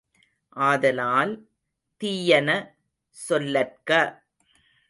ஆதலால், தீயன சொல்லற்க.